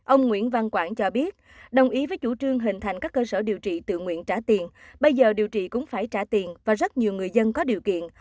ông nguyễn văn quảng cho biết đồng ý với chủ trương hình thành các cơ sở điều trị tự nguyện trả tiền bây giờ điều trị cũng phải trả tiền và rất nhiều người dân có điều kiện